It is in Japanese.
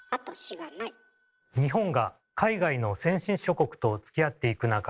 日本が海外の先進諸国とつきあっていく中